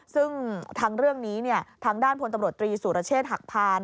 ซึ่งทางเรื่องนี้ทางด้านพลตำรวจตรีสุรเชษฐ์หักพาน